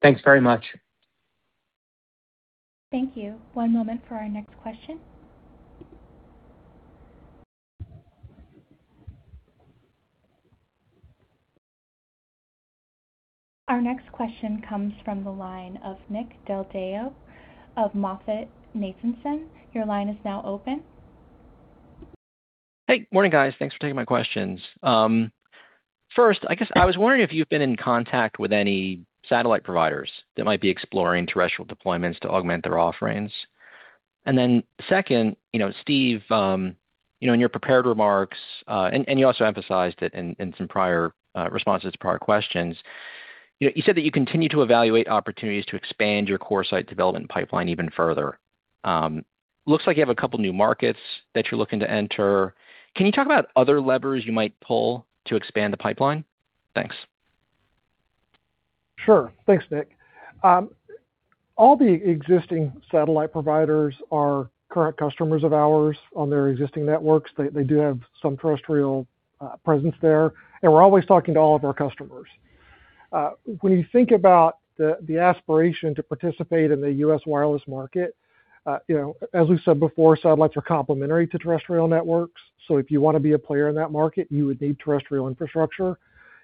Thanks very much.
Thank you. One moment for our next question. Our next question comes from the line of Nick Del Deo of MoffettNathanson. Your line is now open.
Hey, morning, guys. Thanks for taking my questions. First, I was wondering if you've been in contact with any satellite providers that might be exploring terrestrial deployments to augment their offerings. Second, Steve, in your prepared remarks, and you also emphasized it in some prior responses to prior questions. You said that you continue to evaluate opportunities to expand your CoreSite development pipeline even further. Looks like you have a couple of new markets that you're looking to enter. Can you talk about other levers you might pull to expand the pipeline? Thanks.
Sure. Thanks, Nick. All the existing satellite providers are current customers of ours on their existing networks. They do have some terrestrial presence there, and we're always talking to all of our customers. When you think about the aspiration to participate in the U.S. wireless market, as we've said before, satellites are complementary to terrestrial networks. If you want to be a player in that market, you would need terrestrial infrastructure.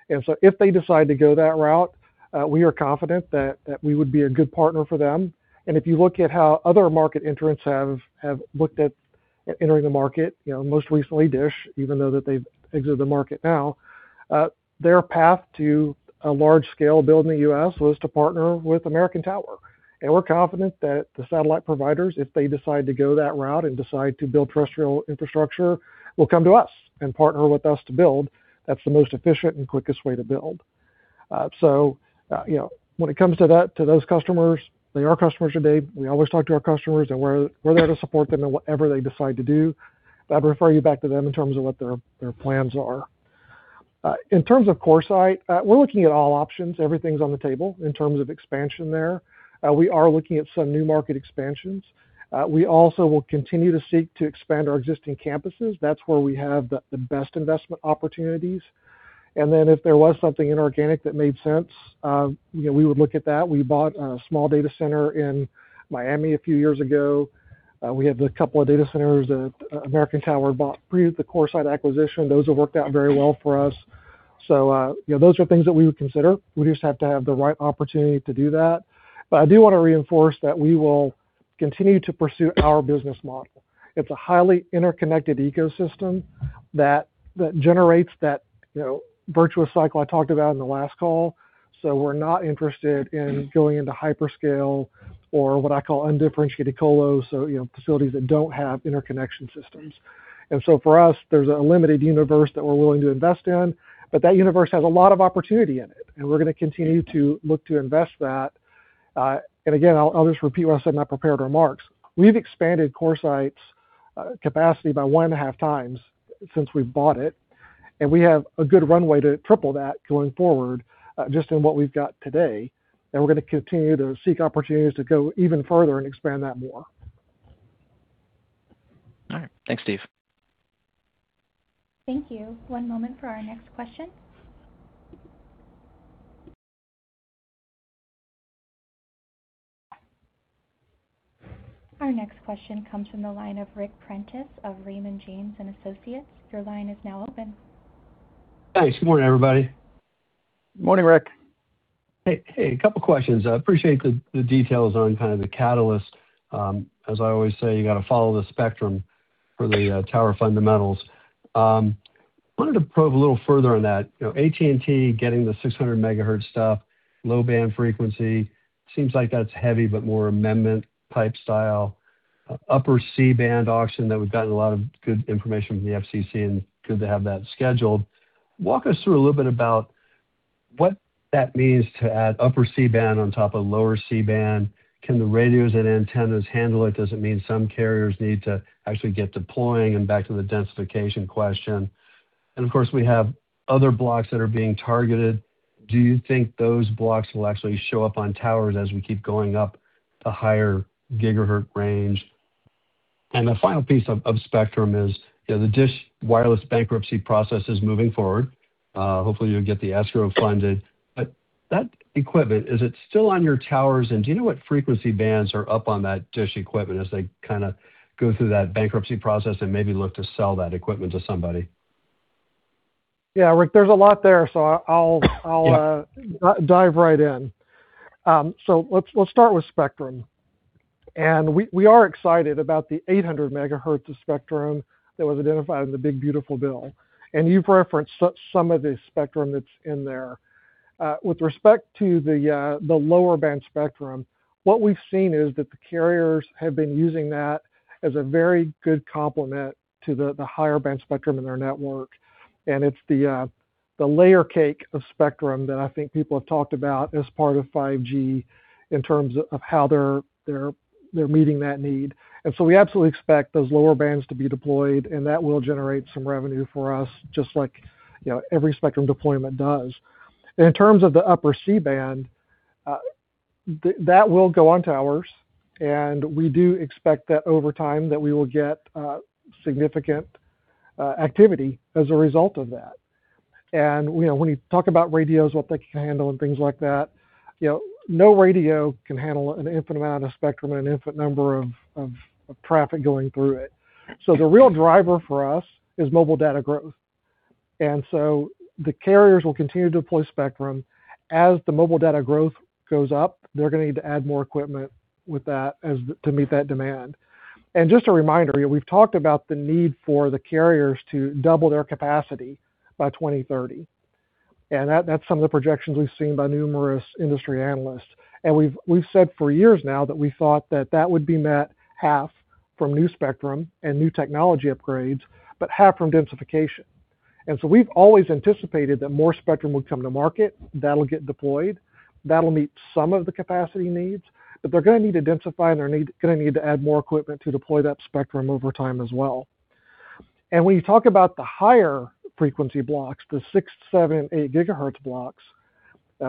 If they decide to go that route, we are confident that we would be a good partner for them. If you look at how other market entrants have looked at entering the market, most recently DISH, even though that they've exited the market now, their path to a large scale build in the U.S. was to partner with American Tower. We're confident that the satellite providers, if they decide to go that route and decide to build terrestrial infrastructure, will come to us and partner with us to build. That's the most efficient and quickest way to build. When it comes to those customers, they are customers today. We always talk to our customers, and we're there to support them in whatever they decide to do. I'd refer you back to them in terms of what their plans are. In terms of CoreSite, we're looking at all options. Everything's on the table in terms of expansion there. We are looking at some new market expansions. We also will continue to seek to expand our existing campuses. That's where we have the best investment opportunities. If there was something inorganic that made sense, we would look at that. We bought a small data center in Miami a few years ago. We have a couple of data centers that American Tower bought pre the CoreSite acquisition. Those have worked out very well for us. Those are things that we would consider. We just have to have the right opportunity to do that. I do want to reinforce that we will continue to pursue our business model. It's a highly interconnected ecosystem that generates that virtuous cycle I talked about in the last call. We're not interested in going into hyperscale or what I call undifferentiated colos, so facilities that don't have interconnection systems. For us, there's a limited universe that we're willing to invest in, but that universe has a lot of opportunity in it, and we're going to continue to look to invest that. Again, I'll just repeat what I said in my prepared remarks. We've expanded CoreSite's capacity by 1.5x Since we've bought it, and we have a good runway to triple that going forward, just in what we've got today. We're going to continue to seek opportunities to go even further and expand that more.
All right. Thanks, Steve.
Thank you. One moment for our next question. Our next question comes from the line of Ric Prentiss of Raymond James & Associates. Your line is now open.
Thanks. Good morning, everybody.
Morning, Ric.
Hey. A couple questions. I appreciate the details on kind of the catalyst. As I always say, you got to follow the spectrum for the tower fundamentals. Wanted to probe a little further on that. AT&T getting the 600 MHz stuff, low-band frequency, seems like that's heavy, but more amendment type style. Upper C-band auction that we've gotten a lot of good information from the FCC, and good to have that scheduled. Walk us through a little bit about what that means to add upper C-band on top of lower C-band. Can the radios and antennas handle it? Does it mean some carriers need to actually get deploying and back to the densification question? Of course, we have other blocks that are being targeted. Do you think those blocks will actually show up on towers as we keep going up the higher gigahertz range? The final piece of spectrum is the DISH Wireless bankruptcy process is moving forward. Hopefully, you'll get the escrow funded. That equipment, is it still on your towers, and do you know what frequency bands are up on that DISH equipment as they kind of go through that bankruptcy process and maybe look to sell that equipment to somebody?
Yeah, Ric, there's a lot there.
Yeah.
Dive right in. Let's start with spectrum. We are excited about the 800 MHz of spectrum that was identified in the Big Beautiful Bill, and you've referenced some of the spectrum that's in there. With respect to the lower-band spectrum, what we've seen is that the carriers have been using that as a very good complement to the higher-band spectrum in their network, and it's the layer cake of spectrum that I think people have talked about as part of 5G in terms of how they're meeting that need. We absolutely expect those lower bands to be deployed, and that will generate some revenue for us, just like every spectrum deployment does. In terms of the Upper C-band, that will go on towers, and we do expect that over time, that we will get significant activity as a result of that. When you talk about radios, what they can handle and things like that, no radio can handle an infinite amount of spectrum and an infinite number of traffic going through it. The real driver for us is mobile data growth. The carriers will continue to deploy spectrum. As the mobile data growth goes up, they're going to need to add more equipment with that to meet that demand. Just a reminder, we've talked about the need for the carriers to double their capacity by 2030. That's some of the projections we've seen by numerous industry analysts. We've said for years now that we thought that that would be met half from new spectrum and new technology upgrades, but half from densification. We've always anticipated that more spectrum would come to market, that'll get deployed, that'll meet some of the capacity needs, but they're going to need to densify, and they're going to need to add more equipment to deploy that spectrum over time as well. When you talk about the higher frequency blocks, the 6 GHz, 7 GHz, 8 GHz blocks,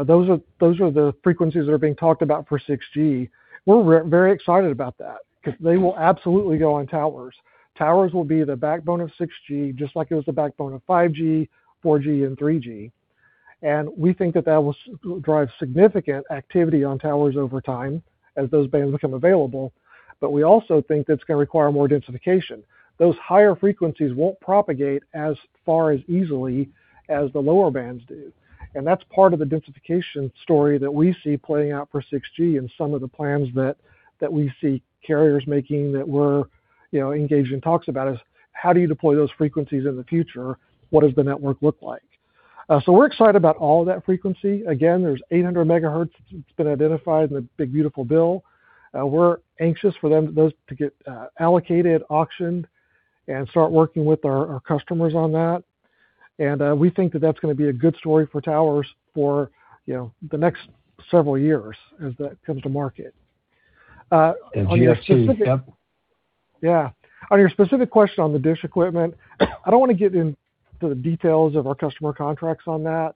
those are the frequencies that are being talked about for 6G. We're very excited about that because they will absolutely go on towers. Towers will be the backbone of 6G, just like it was the backbone of 5G, 4G, and 3G. We think that that will drive significant activity on towers over time as those bands become available. We also think that's going to require more densification. Those higher frequencies won't propagate as far as easily as the lower bands do, and that's part of the densification story that we see playing out for 6G and some of the plans that we see carriers making that we're engaged in talks about is how do you deploy those frequencies in the future? What does the network look like? We're excited about all of that frequency. Again, there's 800 MHz that's been identified in the Big Beautiful Bill. We're anxious for those to get allocated, auctioned, and start working with our customers on that. We think that that's going to be a good story for towers for the next several years as that comes to market.
The FCC.
Yeah. On your specific question on the DISH equipment, I don't want to get into the details of our customer contracts on that.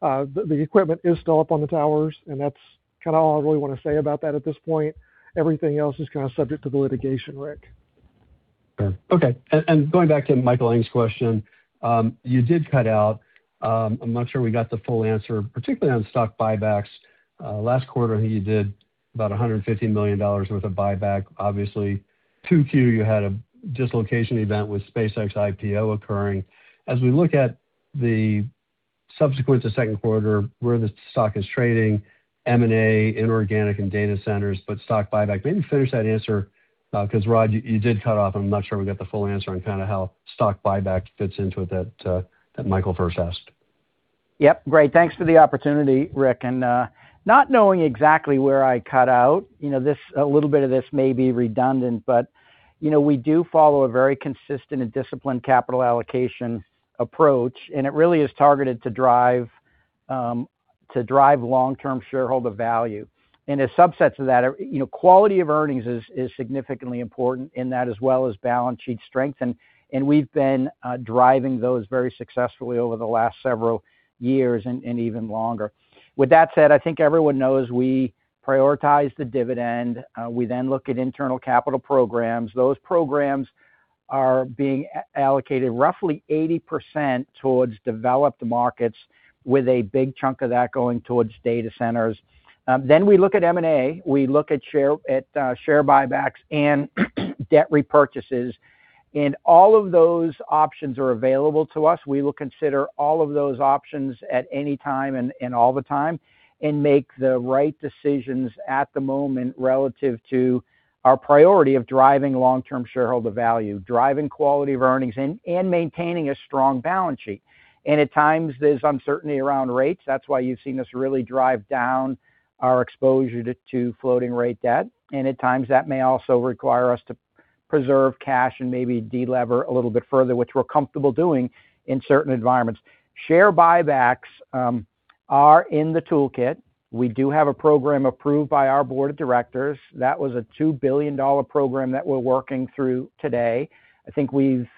The equipment is still up on the towers, and that's all I really want to say about that at this point. Everything else is kind of subject to the litigation, Ric.
Fair. Okay. Going back to Michael Ng's question. You did cut out. I am not sure we got the full answer, particularly on stock buybacks. Last quarter, I think you did about $150 million worth of buyback. Obviously, 2Q, you had a dislocation event with SpaceX IPO occurring. As we look at the subsequent to second quarter, where the stock is trading, M&A, inorganic and data centers, stock buyback, maybe finish that answer because, Rod, you did cut off, and I am not sure we got the full answer on kind of how stock buyback fits into it that Michael first asked.
Yep, great. Thanks for the opportunity, Ric. Not knowing exactly where I cut out, a little bit of this may be redundant, but we do follow a very consistent and disciplined capital allocation approach, and it really is targeted to drive To drive long-term shareholder value. As subsets of that, quality of earnings is significantly important in that as well as balance sheet strength. We've been driving those very successfully over the last several years and even longer. With that said, I think everyone knows we prioritize the dividend. We then look at internal capital programs. Those programs are being allocated roughly 80% towards developed markets with a big chunk of that going towards data centers. Then we look at M&A, we look at share buybacks and debt repurchases. All of those options are available to us. We will consider all of those options at any time and all the time, and make the right decisions at the moment relative to our priority of driving long-term shareholder value, driving quality of earnings, and maintaining a strong balance sheet. At times, there's uncertainty around rates. That's why you've seen us really drive down our exposure to floating rate debt. At times, that may also require us to preserve cash and maybe de-lever a little bit further, which we're comfortable doing in certain environments. Share buybacks are in the toolkit. We do have a program approved by our board of directors. That was a $2 billion program that we're working through today. I think we've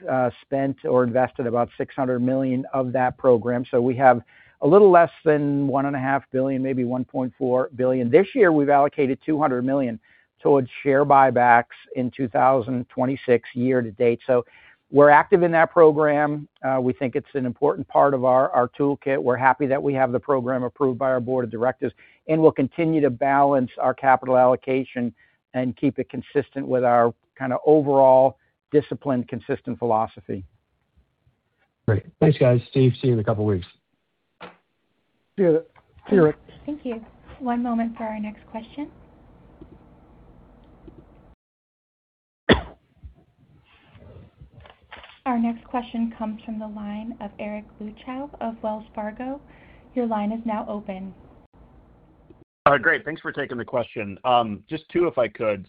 spent or invested about $600 million of that program. So we have a little less than $1.5 billion, maybe $1.4 billion. This year, we've allocated $200 million towards share buybacks in 2026 year to date. We're active in that program. We think it's an important part of our toolkit. We're happy that we have the program approved by our board of directors, and we'll continue to balance our capital allocation and keep it consistent with our overall disciplined, consistent philosophy.
Great. Thanks, guys. Steve, see you in a couple of weeks.
See you, Ric.
Thank you. One moment for our next question. Our next question comes from the line of Eric Luebchow of Wells Fargo. Your line is now open.
Great. Thanks for taking the question. Just two, if I could.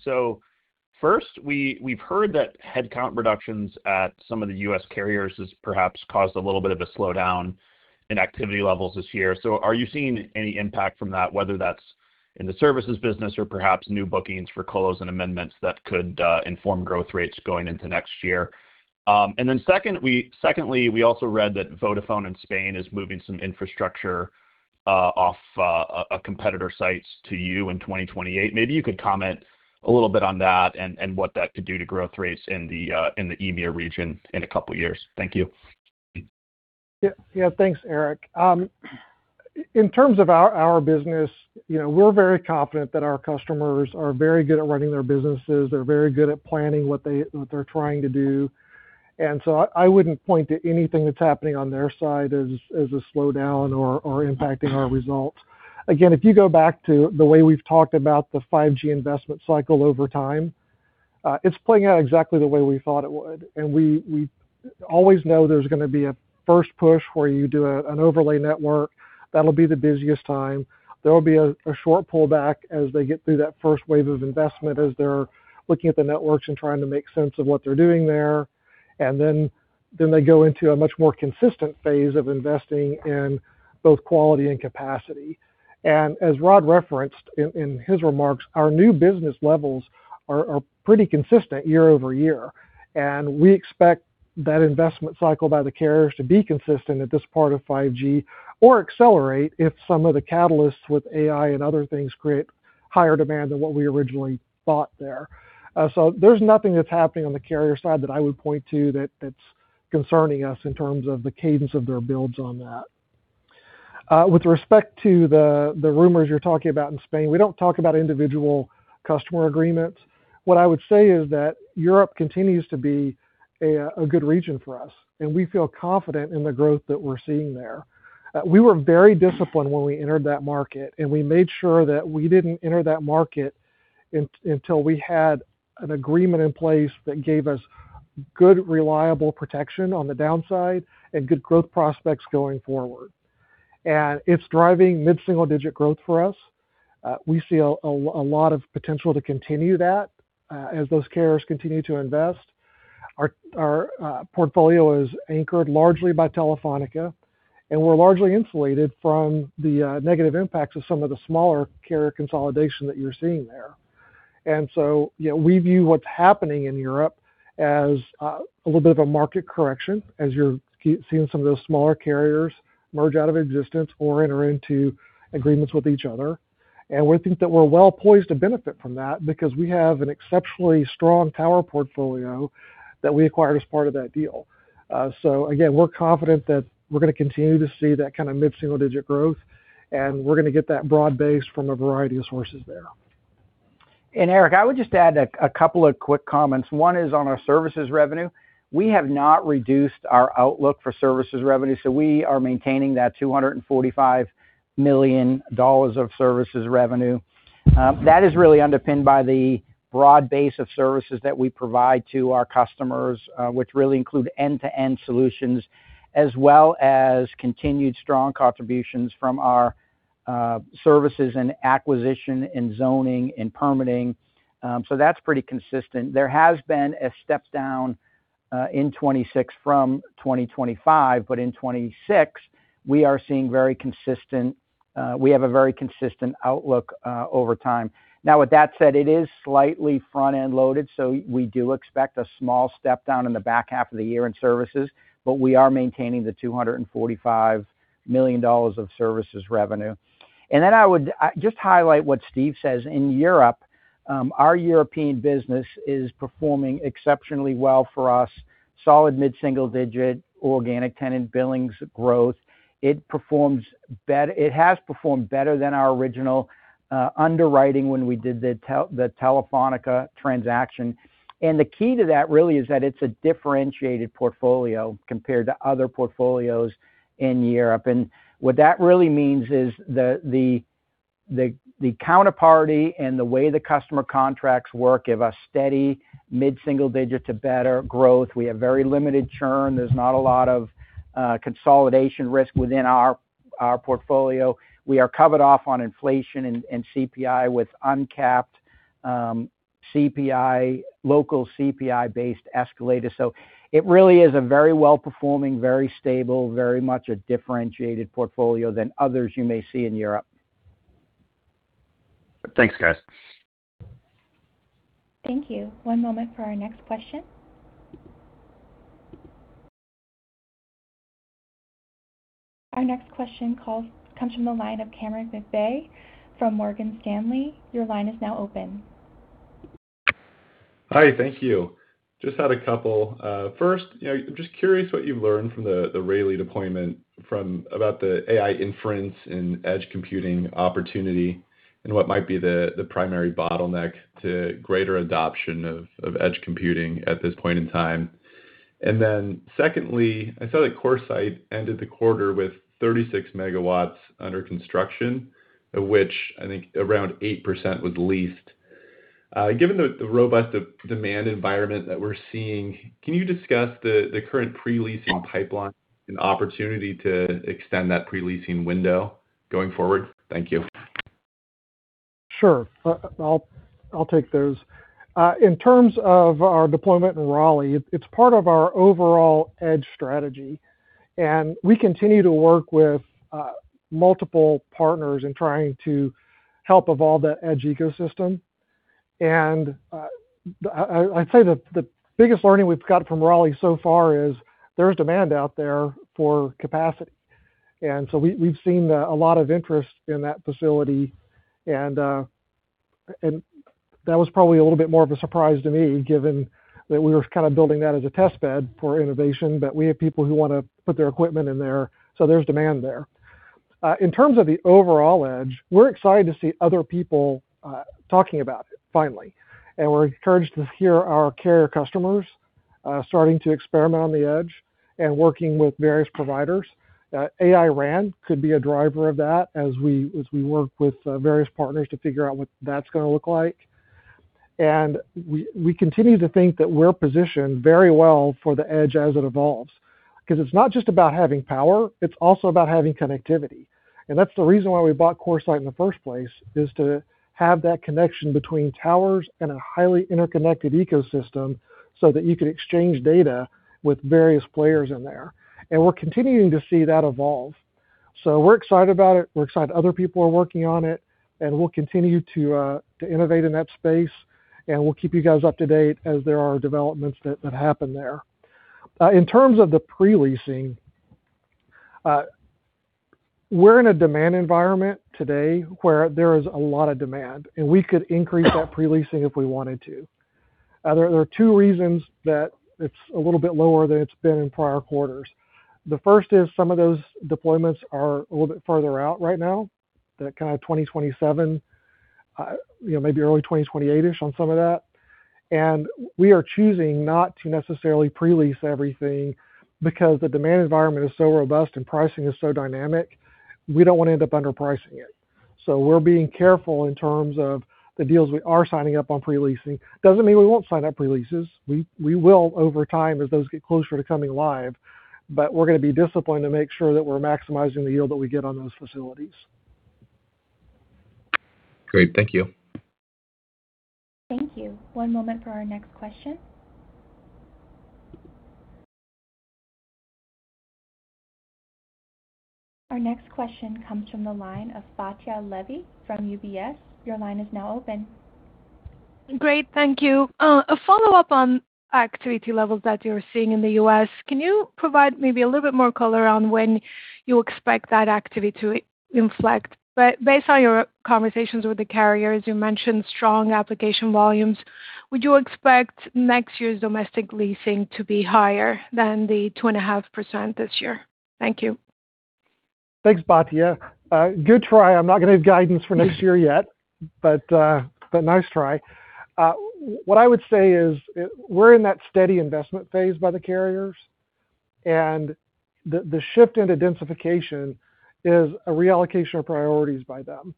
First, we've heard that headcount reductions at some of the U.S. carriers has perhaps caused a little bit of a slowdown in activity levels this year. Are you seeing any impact from that, whether that's in the services business or perhaps new bookings for close and amendments that could inform growth rates going into next year? Secondly, we also read that Vodafone in Spain is moving some infrastructure off competitor sites to you in 2028. Maybe you could comment a little bit on that and what that could do to growth rates in the EMEA region in a couple of years. Thank you.
Yeah. Thanks, Eric. In terms of our business, we're very confident that our customers are very good at running their businesses. They're very good at planning what they're trying to do. I wouldn't point to anything that's happening on their side as a slowdown or impacting our results. Again, if you go back to the way we've talked about the 5G investment cycle over time, it's playing out exactly the way we thought it would. We always know there's going to be a first push where you do an overlay network. That'll be the busiest time. There will be a short pullback as they get through that first wave of investment, as they're looking at the networks and trying to make sense of what they're doing there. Then they go into a much more consistent phase of investing in both quality and capacity. As Rod referenced in his remarks, our new business levels are pretty consistent year-over-year, and we expect that investment cycle by the carriers to be consistent at this part of 5G or accelerate if some of the catalysts with AI and other things create higher demand than what we originally thought there. There's nothing that's happening on the carrier side that I would point to that's concerning us in terms of the cadence of their builds on that. With respect to the rumors you're talking about in Spain, we don't talk about individual customer agreements. What I would say is that Europe continues to be a good region for us, and we feel confident in the growth that we're seeing there. We were very disciplined when we entered that market, and we made sure that we didn't enter that market until we had an agreement in place that gave us good, reliable protection on the downside and good growth prospects going forward. It's driving mid-single-digit growth for us. We see a lot of potential to continue that as those carriers continue to invest. Our portfolio is anchored largely by Telefónica, and we're largely insulated from the negative impacts of some of the smaller carrier consolidation that you're seeing there. We view what's happening in Europe as a little bit of a market correction as you're seeing some of those smaller carriers merge out of existence or enter into agreements with each other. We think that we're well poised to benefit from that because we have an exceptionally strong tower portfolio that we acquired as part of that deal. Again, we're confident that we're going to continue to see that mid-single-digit growth, and we're going to get that broad base from a variety of sources there.
I would just add a couple of quick comments. One is on our services revenue. We have not reduced our outlook for services revenue, so we are maintaining that $245 million of services revenue. That is really underpinned by the broad base of services that we provide to our customers, which really include end-to-end solutions, as well as continued strong contributions from our Services and acquisition in zoning and permitting. That's pretty consistent. There has been a step down in 2026 from 2025, but in 2026 we have a very consistent outlook over time. With that said, it is slightly front-end loaded, so we do expect a small step down in the back half of the year in services, but we are maintaining the $245 million of services revenue. I would just highlight what Steve says. In Europe, our European business is performing exceptionally well for us. Solid mid-single digit organic tenant billings growth. It has performed better than our original underwriting when we did the Telefónica transaction. The key to that really is that it's a differentiated portfolio compared to other portfolios in Europe. What that really means is the counterparty and the way the customer contracts work give us steady mid-single digit to better growth. We have very limited churn. There's not a lot of consolidation risk within our portfolio. We are covered off on inflation and CPI with uncapped local CPI-based escalators. It really is a very well-performing, very stable, very much a differentiated portfolio than others you may see in Europe.
Thanks, guys.
Thank you. One moment for our next question. Our next question comes from the line of Cameron McVey from Morgan Stanley. Your line is now open.
Hi, thank you. Just had a couple. First, I'm just curious what you've learned from the Raleigh deployment about the AI inference in edge computing opportunity and what might be the primary bottleneck to greater adoption of edge computing at this point in time. Secondly, I saw that CoreSite ended the quarter with 36 MW under construction, of which I think around 8% was leased. Given the robust demand environment that we're seeing, can you discuss the current pre-leasing pipeline and opportunity to extend that pre-leasing window going forward? Thank you.
Sure. I'll take those. In terms of our deployment in Raleigh, it's part of our overall edge strategy, we continue to work with multiple partners in trying to help evolve the edge ecosystem. I'd say the biggest learning we've got from Raleigh so far is there is demand out there for capacity. We've seen a lot of interest in that facility, that was probably a little bit more of a surprise to me, given that we were kind of building that as a test bed for innovation. We have people who want to put their equipment in there, so there's demand there. In terms of the overall edge, we're excited to see other people talking about it finally, we're encouraged to hear our carrier customers starting to experiment on the edge and working with various providers. AI RAN could be a driver of that as we work with various partners to figure out what that's going to look like. We continue to think that we're positioned very well for the edge as it evolves, because it's not just about having power, it's also about having connectivity. That's the reason why we bought CoreSite in the first place, is to have that connection between towers and a highly interconnected ecosystem, so that you can exchange data with various players in there. We're continuing to see that evolve. We're excited about it. We're excited other people are working on it, we'll continue to innovate in that space, we'll keep you guys up to date as there are developments that happen there. In terms of the pre-leasing, we're in a demand environment today where there is a lot of demand, we could increase that pre-leasing if we wanted to. There are two reasons that it's a little bit lower than it's been in prior quarters. The first is some of those deployments are a little bit further out right now, that kind of 2027, maybe early 2028-ish on some of that. We are choosing not to necessarily pre-lease everything because the demand environment is so robust and pricing is so dynamic, we don't want to end up underpricing it. We're being careful in terms of the deals we are signing up on pre-leasing. Doesn't mean we won't sign up pre-leases. We will over time as those get closer to coming live. We're going to be disciplined to make sure that we're maximizing the yield that we get on those facilities.
Great. Thank you.
Thank you. One moment for our next question. Our next question comes from the line of Batya Levi from UBS. Your line is now open.
Great. Thank you. A follow-up on activity levels that you're seeing in the U.S. Can you provide maybe a little bit more color on when you expect that activity to inflect? Based on your conversations with the carriers, you mentioned strong application volumes. Would you expect next year's domestic leasing to be higher than the 2.5% this year? Thank you.
Thanks, Batya. Good try. Nice try. What I would say is we're in that steady investment phase by the carriers, and the shift into densification is a reallocation of priorities by them.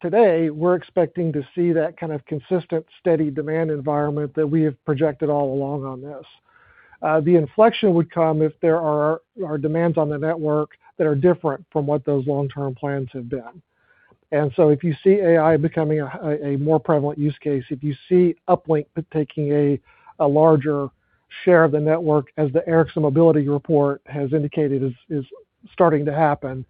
Today, we're expecting to see that kind of consistent, steady demand environment that we have projected all along on this. The inflection would come if there are demands on the network that are different from what those long-term plans have been. If you see AI becoming a more prevalent use case, if you see uplink taking a larger share of the network, as the Ericsson Mobility Report has indicated, is starting to happen.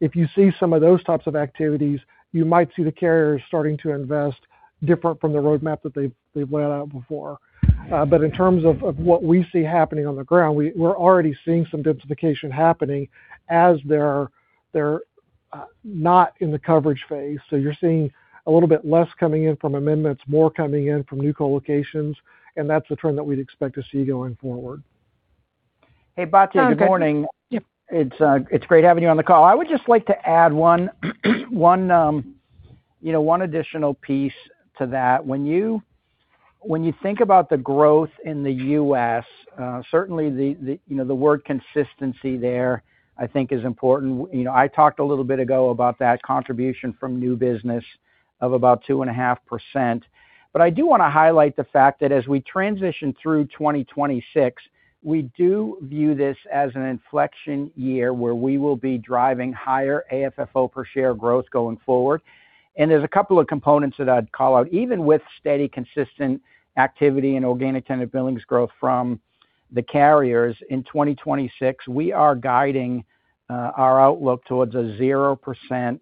If you see some of those types of activities, you might see the carriers starting to invest different from the roadmap that they've laid out before. In terms of what we see happening on the ground, we're already seeing some densification happening as they're not in the coverage phase. You're seeing a little bit less coming in from amendments, more coming in from new co-locations, and that's the trend that we'd expect to see going forward.
Hey, Batya, good morning.
Yeah.
It's great having you on the call. I would just like to add one additional piece to that. When you think about the growth in the U.S., certainly the word consistency there, I think, is important. I talked a little bit ago about that contribution from new business of about 2.5%. I do want to highlight the fact that as we transition through 2026, we do view this as an inflection year where we will be driving higher AFFO per share growth going forward. There's a couple of components that I'd call out. Even with steady, consistent activity and organic tenant billings growth from the carriers in 2026, we are guiding our outlook towards a 0%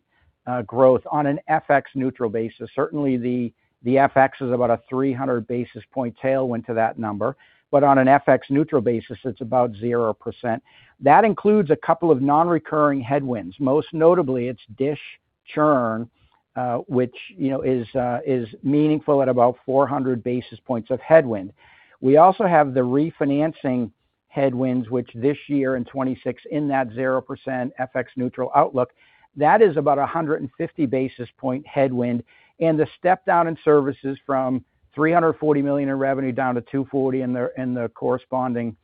growth on an FX neutral basis. Certainly the FX is about a 300 basis point tailwind to that number. On an FX neutral basis, it's about 0%. That includes a couple of non-recurring headwinds. Most notably, it's DISH churn, which is meaningful at about 400 basis points of headwind. We also have the refinancing headwinds, which this year in 2026, in that 0% FX neutral outlook, that is about 150 basis point headwind. The step down in services from $340 million in revenue down to $240 million in the corresponding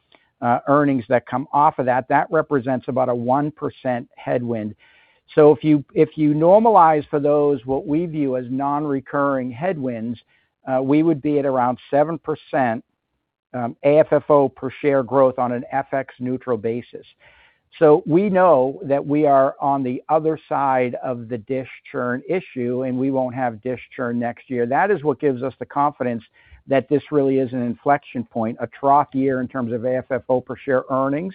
earnings that come off of that represents about a 1% headwind. If you normalize for those what we view as non-recurring headwinds, we would be at around 7% AFFO per share growth on an FX neutral basis. We know that we are on the other side of the DISH churn issue, and we won't have DISH churn next year. That is what gives us the confidence that this really is an inflection point, a trough year in terms of AFFO per share earnings.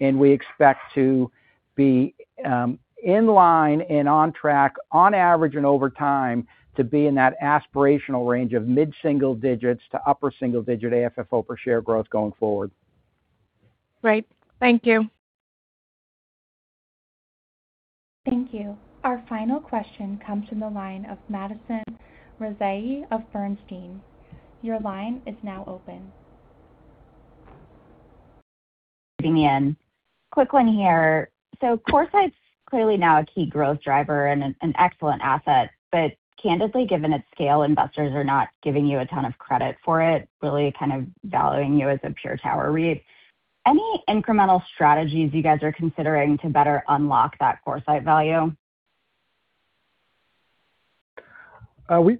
We expect to be in line and on track, on average and over time, to be in that aspirational range of mid-single digits to upper single digit AFFO per share growth going forward.
Great. Thank you.
Thank you. Our final question comes from the line of Madison Rezaei of Bernstein. Your line is now open.
Let me in. Quick one here. CoreSite's clearly now a key growth driver and an excellent asset. Candidly, given its scale, investors are not giving you a ton of credit for it, really kind of valuing you as a pure tower read. Any incremental strategies you guys are considering to better unlock that CoreSite value?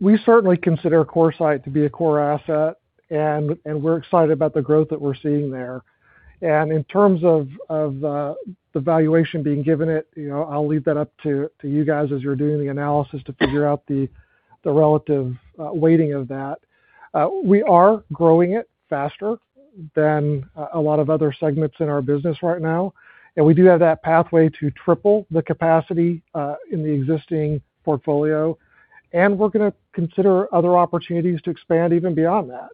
We certainly consider CoreSite to be a core asset, and we're excited about the growth that we're seeing there. In terms of the valuation being given it, I'll leave that up to you guys as you're doing the analysis to figure out the relative weighting of that. We are growing it faster than a lot of other segments in our business right now, and we do have that pathway to triple the capacity in the existing portfolio. We're going to consider other opportunities to expand even beyond that.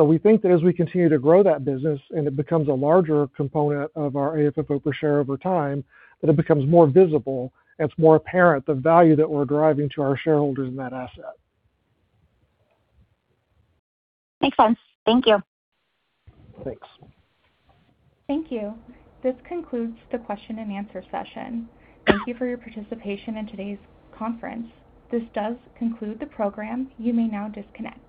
We think that as we continue to grow that business and it becomes a larger component of our AFFO per share over time, that it becomes more visible and it's more apparent the value that we're driving to our shareholders in that asset.
Makes sense. Thank you.
Thanks.
Thank you. This concludes the Q&A session. Thank you for your participation in today's conference. This does conclude the program. You may now disconnect.